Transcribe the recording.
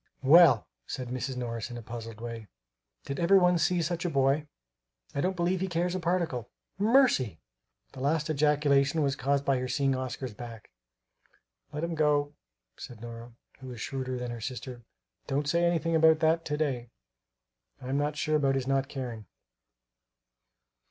"Well!" said Mrs. Morris in a puzzled way, "did ever one see such a boy? I don't believe he cares a particle Mercy!" The last ejaculation was caused by her seeing Oscar's back. "Let him go," said Nora, who was shrewder than her sister; "don't say anything about that to day; I'm not sure about his not caring."